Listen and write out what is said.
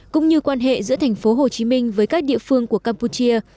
cũng như quan hệ giữa thành phố hồ chí minh với các địa phương của campuchia